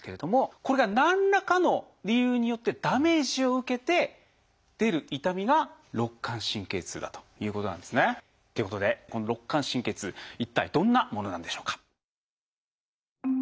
これが何らかの理由によってダメージを受けて出る痛みが肋間神経痛だということなんですね。ということでこの肋間神経痛一体どんなものなんでしょうか。